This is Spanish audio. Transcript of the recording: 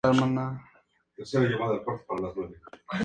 Organizó la filial local de la Logia de Lautaro.